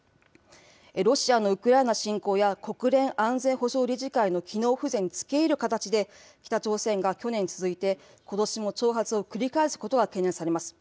ロシアのウクライナ侵攻や国連安全保障理事会の機能不全につけ入る形で、北朝鮮が去年に続いて、ことしも挑発を繰り返すことが懸念されます。